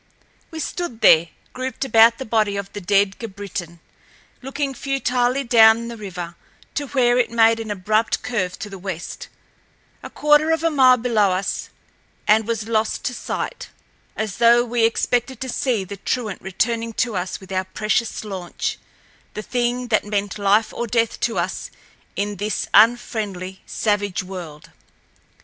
We stood there, grouped about the body of the dead Grabritin, looking futilely down the river to where it made an abrupt curve to the west, a quarter of a mile below us, and was lost to sight, as though we expected to see the truant returning to us with our precious launch—the thing that meant life or death to us in this unfriendly, savage world.